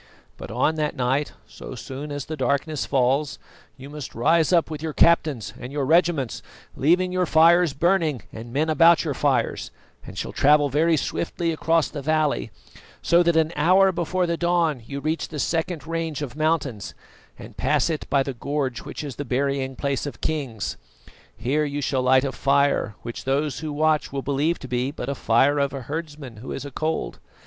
"But on that night, so soon as the darkness falls, you must rise up with your captains and your regiments, leaving your fires burning and men about your fires, and shall travel very swiftly across the valley, so that an hour before the dawn you reach the second range of mountains, and pass it by the gorge which is the burying place of kings. Here you shall light a fire, which those who watch will believe to be but the fire of a herdsman who is acold.